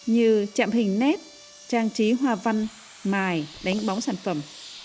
như chạm hình nếp trang trí hoa văn mài đánh bóng sản phẩm